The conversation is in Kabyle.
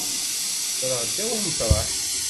Ffreɣ ddaw umeṭreḥ.